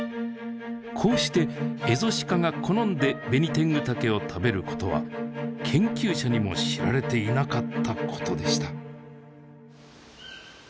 こうしてエゾシカが好んでベニテングタケを食べることは研究者にも知られていなかったことでした。